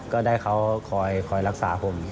ก็ได้เขาคอยรักษาผม